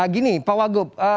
gini pak wagup